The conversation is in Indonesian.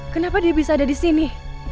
kenapa dia bisa ada di sini